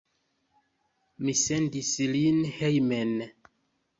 Mi sendis lin hejmen.